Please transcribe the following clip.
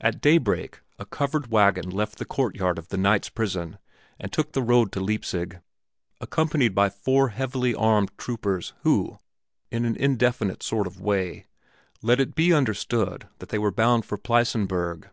At daybreak a covered wagon left the courtyard of the knight's prison and took the road to Leipzig, accompanied by four heavily armed troopers who, in an indefinite sort of way, let it be understood that they were bound for the Pleissenburg.